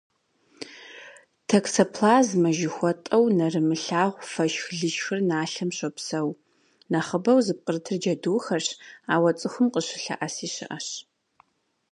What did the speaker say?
Токсоплазмэ жыхуэтӏэу нэрымылъагъу фэшх-лышхыр налъэм щопсэу, нэхъыбэу зыпкърытыр джэдухэрщ, ауэ цӏыхум къыщылъэӏэси щыӏэщ.